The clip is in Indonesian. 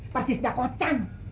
persis dah kocan